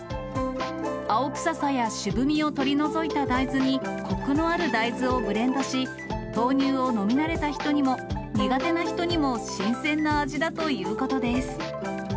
青臭さや渋みを取り除いた大豆にこくのある大豆をブレンドし、豆乳を飲み慣れた人にも、苦手な人にも新鮮な味だということです。